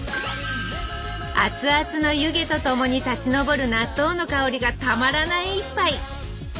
熱々の湯気と共に立ち上る納豆の香りがたまらない一杯。